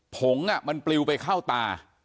ผงมันปลิวไปเข้าตา